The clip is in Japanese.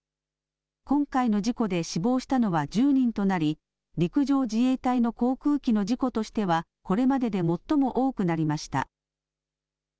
今回の事故で死亡したのは１０人となり、陸上自衛隊の航空機の事故としては、これまでで最も多くなりました。